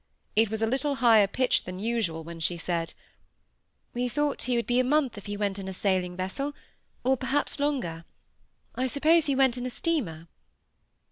It was a little higher pitched than usual, when she said,— "We thought he would be a month if he went in a sailing vessel, or perhaps longer. I suppose he went in a steamer?"